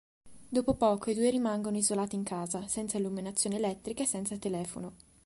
Dopo poco i due rimangono isolati in casa, senza illuminazione elettrica e senza telefono.